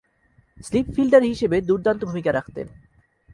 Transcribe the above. Slip fielder হিসেবে দূর্দান্ত ভূমিকা রাখতেন।